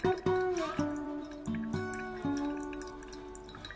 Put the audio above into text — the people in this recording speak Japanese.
はい。